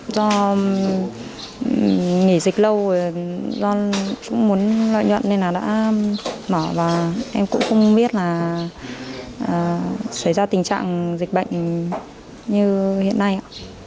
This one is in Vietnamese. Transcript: do nghỉ dịch lâu rồi cũng muốn lợi nhuận nên là đã mở và em cũng không biết là xảy ra tình trạng dịch bệnh như hiện nay ạ